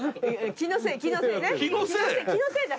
気のせい⁉気のせいだから。